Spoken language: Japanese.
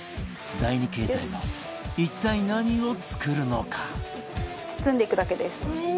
第２形態は一体何を作るのか？